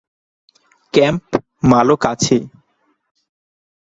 Camp মালো কাছেই।